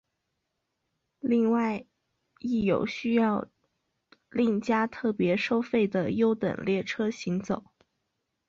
另外亦有需要另加特别收费的优等列车行走。